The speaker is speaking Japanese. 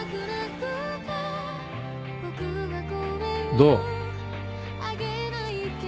どう？